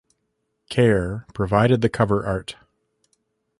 Kerr provided the cover art.